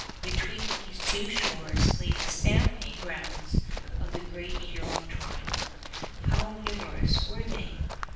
Between these two shores lay the stamping grounds of the great Huron tribe. How numerous were they?